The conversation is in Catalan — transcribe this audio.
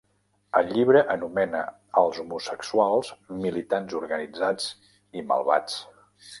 El llibre anomena als homosexuals "militants, organitzats" i "malvats".